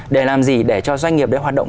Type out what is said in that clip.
để làm gì để cho doanh nghiệp hoạt động